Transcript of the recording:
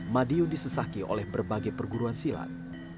madiun disesaki oleh berbagai perguruan silat